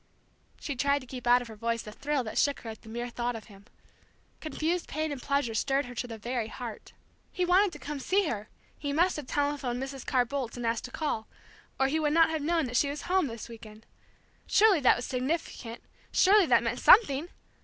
She tried to keep out of her voice the thrill that shook her at the mere thought of him. Confused pain and pleasure stirred her to the very heart. He wanted to come to see her, he must have telephoned Mrs. Carr Boldt and asked to call, or he would not have known that she was at home this week end, surely that was significant, surely that meant something!